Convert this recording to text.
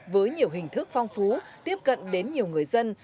với nhiều hình thức phong phú tiếp cận đến nhiều người dân